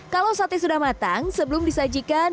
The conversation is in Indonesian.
kalau sate sudah matang sebelum disajikan